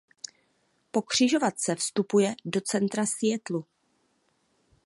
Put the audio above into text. Po křižovatce vstupuje do centra Seattlu.